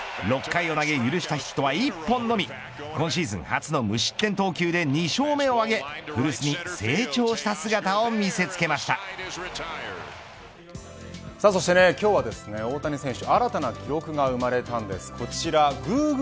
６回を投げ許したヒットは１本のみ今シーズン初の無失点投球で２勝目を上げ古巣に成長した姿をそして今日は、大谷選手